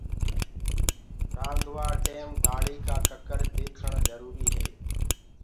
رآندوآ ٽيم دآݪي ڪآ ڪڪر ديکڻ جروري هي۔